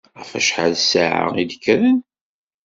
Ɣef wacḥal ssaɛa i d-kkren?